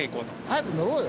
早く乗ろうよ！